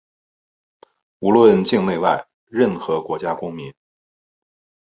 无论境内外、任何国家公民